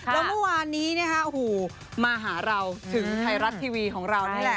แล้วเมื่อวานนี้นะคะโอ้โหมาหาเราถึงไทยรัฐทีวีของเรานี่แหละ